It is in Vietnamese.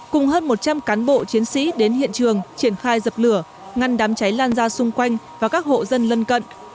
cùng hơn một trăm linh cán bộ chiến sĩ đến hiện trường triển khai dập lửa ngăn đám cháy lan ra xung quanh và các hộ dân lân cận